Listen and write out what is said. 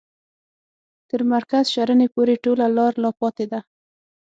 تر مرکز شرنې پوري ټوله لار لا پاته ده.